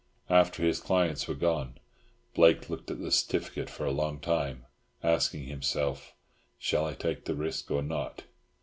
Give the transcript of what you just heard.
After his clients were gone Blake looked at the certificate for a long time, asking himself, "Shall I take the risk or not?"